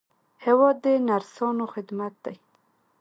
هېواد د نرسانو خدمت دی.